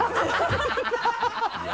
ハハハ